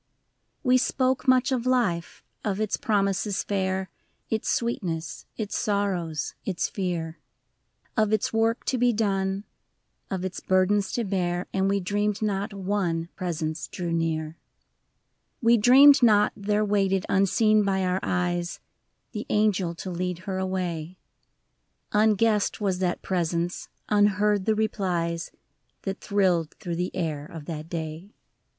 II. We spoke much of life, of its promises fair. Its sweetness, its sorrows, its fear : Of its work to be done, of its burdens to bear. And we dreamed not one Presence drew near, — III. We dreamed not there waited, unseen by our eyes, The angel to lead her away ; Unguessed was that Presence, unheard the replies, That thrilled through the air of that day. 97 7 HER LAST DAY.